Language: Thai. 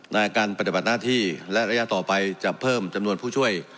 ในการปฏิบัติหน้าที่และระยะต่อไปจะเพิ่มจำนวนผู้ช่วย